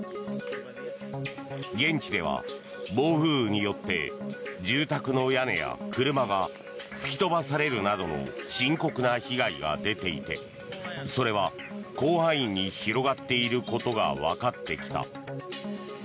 現地では暴風雨によって住宅の屋根や車が吹き飛ばされるなどの深刻な被害が出ていてそれは広範囲に広がっていることがわかってきた。